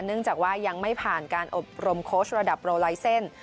เนื่องจากว่ายังไม่ผ่านการอบรมโค้ชระดับโรไลเซ็นต์